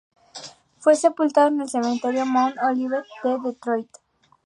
Fue sepultado en el cementerio Mount Olivet de Detroit.